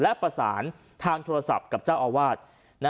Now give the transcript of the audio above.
และประสานทางโทรศัพท์กับเจ้าอาวาส